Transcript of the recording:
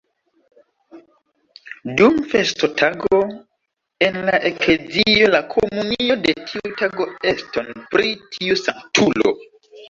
Dum festotago, en la eklezio la komunio de tiu tago eston pri tiu sanktulo.